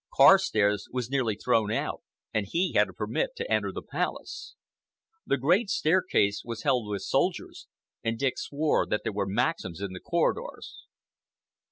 Carstairs was nearly thrown out, and he had a permit to enter the Palace. The great staircase was held with soldiers, and Dick swore that there were Maxims in the corridors."